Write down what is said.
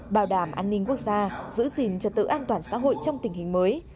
bảo đảm an ninh quốc gia giữ gìn trật tự an toàn xã hội trong tình hình mới